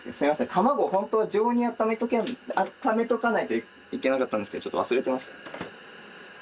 卵ほんとは常温にあっためとかないといけなかったんですけどちょっと忘れてました。